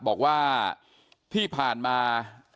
บอกว่าที่ผ่านมา